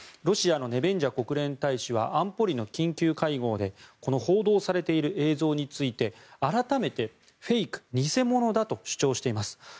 ロシアのネベンジャ国連大使は安保理の緊急会合で報道されている映像について改めて、フェイク、偽物だと主張しています。